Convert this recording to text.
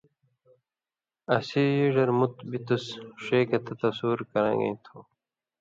اسی ڙر مُت بِتُس ݜے گتہ تصُور کران٘گَیں تھو